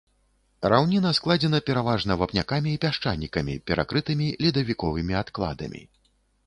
Раўніна складзена пераважна вапнякамі і пясчанікамі, перакрытымі ледавіковымі адкладамі.